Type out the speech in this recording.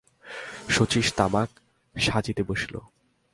শচীশ তামাক সাজিতে বসিল।